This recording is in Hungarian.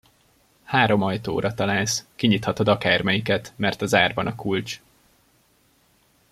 Három ajtóra találsz, kinyithatod akármelyiket, mert a zárban a kulcs.